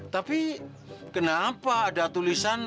tapi kenapa ada tulisan